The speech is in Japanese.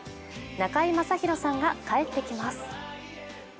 中居正広さんが帰ってきます。